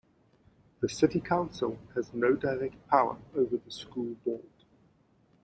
The city council has no direct power over the school board.